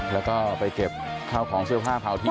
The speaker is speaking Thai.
แล้วก็ไปเก็บข้าวของเสื้อผ้าเผาที่